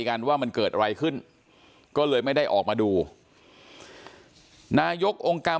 กันว่ามันเกิดอะไรขึ้นก็เลยไม่ได้ออกมาดูนายกองค์การ